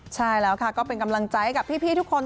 ใช่แล้วค่ะก็เป็นกำลังใจกับพี่ทุกคน